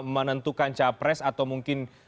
menentukan capres atau mungkin